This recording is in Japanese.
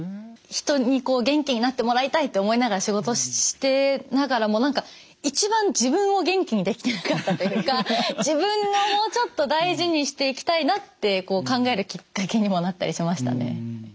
人に元気になってもらいたいって思いながら仕事してながらも何か一番自分を元気にできてなかったというか自分をもうちょっと大事にしていきたいなって考えるきっかけにもなったりしましたね。